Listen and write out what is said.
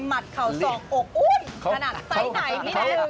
หมัดเข่าสองออกอุ้นขนาดไซไตนี่นิดหนึ่ง